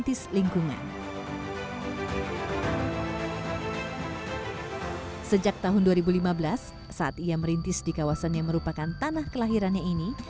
sejak tahun dua ribu lima belas saat ia merintis di kawasan yang merupakan tanah kelahirannya ini